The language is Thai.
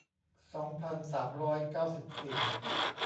สองพันสามร้อยเก้าสิบสี่